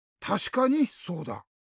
たしかにそうだ。